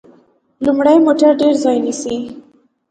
لوی موټر ډیر ځای نیسي.